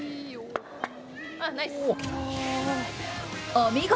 お見事！